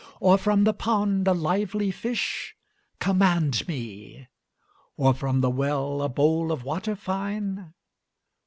Or from the pond a lively fish? Command me! Or, from the well, a bowl of water fine?